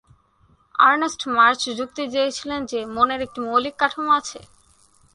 Ernst Mach যুক্তি দিয়েছিলেন যে মনের একটি মৌলিক কাঠামো আছে।